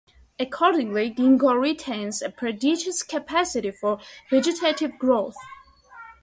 Accordingly, ginkgo retains a prodigious capacity for vegetative growth.